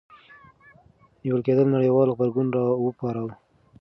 نیول کېدل نړیوال غبرګون راوپاروه.